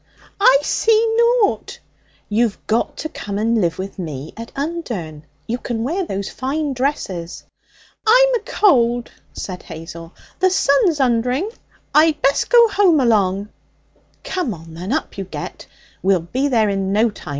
'I see nought.' 'You've got to come and live with me at Undern. You can wear those fine dresses.' 'I'm a cold,' said Hazel; 'the sun's undering; I'd best go home along.' 'Come on, then. Up you get. We'll be there in no time.